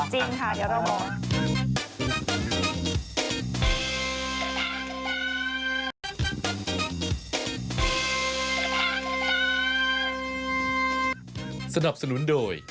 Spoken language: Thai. จริงค่ะเดี๋ยวเราบอก